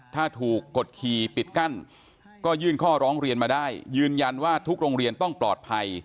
ถ้าถูกกดขี่ปิดกั้นก็ยื่นข้อร้องเรียนมาได้ยืนยันว่าทุกโรงเรียนต้องปลอดภัย